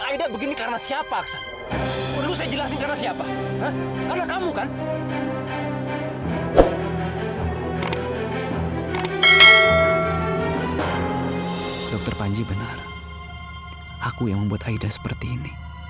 sebentar sebentar sebentar